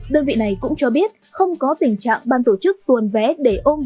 đơn vị này cũng cho biết không có tình trạng ban tổ chức tuồn vé để ôm